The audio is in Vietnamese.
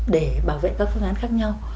để bảo vệ các phương án khác nhau